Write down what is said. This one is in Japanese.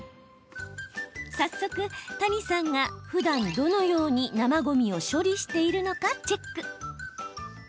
早速、谷さんがふだん、どのように生ごみを処理しているのかチェック。